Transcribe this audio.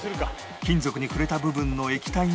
金属に触れた部分の液体が凍ったら